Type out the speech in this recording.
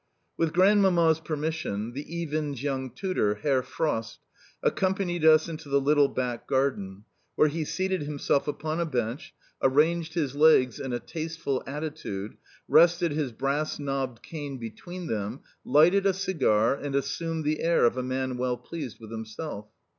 With Grandmamma's permission, the Iwins' young tutor, Herr Frost, accompanied us into the little back garden, where he seated himself upon a bench, arranged his legs in a tasteful attitude, rested his brass knobbed cane between them, lighted a cigar, and assumed the air of a man well pleased with himself.